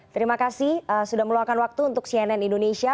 terima kasih sudah meluangkan waktu untuk cnn indonesia